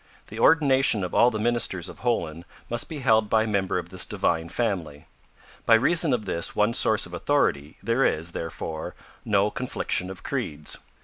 The ordination of all the ministers of Holen must be held by a member of this Divine Family. By reason of this one source of authority, there is, therefore, no confliction of creeds.